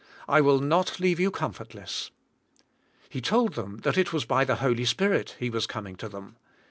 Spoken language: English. "' 'I will not leave j^ou comfortless. " He told them that it was by the Holy Spirit He was coming to them.